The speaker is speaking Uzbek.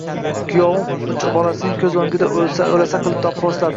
Kuyovim uch bolasining ko`z o`ngida o`lasa qilib do`pposlabdi